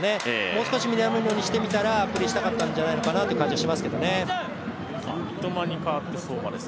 もう少し南野にしてみたらプレーしたかったんじゃないかなという気がしますけどね。